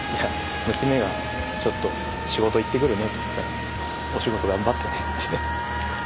娘がちょっと「仕事行ってくるね」って言ったら「おしごとがんばってね」ってお守りくれて。